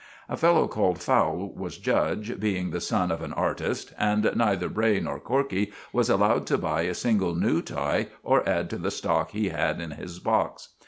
A fellow called Fowle was judge, being the son of an artist; and neither Bray nor Corkey was allowed to buy a single new tie or add to the stock he had in his box.